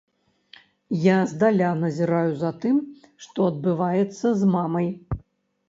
Я здаля назіраю за тым, што адбываецца з мамай.